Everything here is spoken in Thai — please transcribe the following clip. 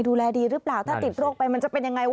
ดูแลดีหรือเปล่าถ้าติดโรคไปมันจะเป็นยังไง